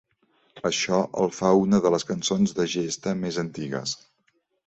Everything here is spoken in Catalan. Això el fa una de les cançons de gesta més antigues.